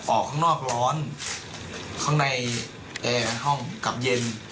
ออกข้างนอกร้อนข้างในแอร์ห้องกลับเย็น